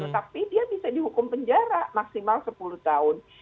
tapi dia bisa dihukum penjara maksimal sepuluh tahun